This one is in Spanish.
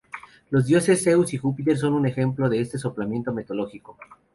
Los dioses Zeus y Júpiter son un ejemplo de este solapamiento mitológico.